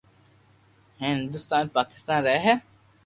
جي هندستان، پاڪستان رھي ھي